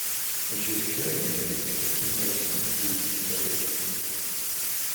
When she is carrying the eggs, the female is said to be "berried".